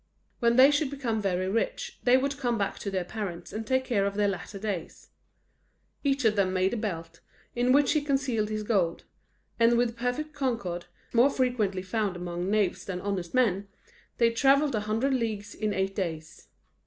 When they should become very rich, they would come back to their parents and take care of their latter days. Each of them made a belt, in which he concealed his gold; and with perfect concord, more frequently found amongst knaves than honest men, they travelled a hundred leagues in eight days.